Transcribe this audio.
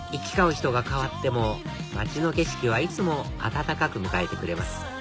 人が変わっても街の景色はいつも温かく迎えてくれます